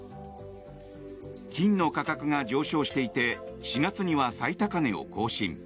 金の価格が上昇していて４月には最高値を更新。